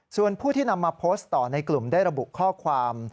ส่วนผู้ที่นำมาโพสต์ต่อในกลุ่มได้ระบุข้อความ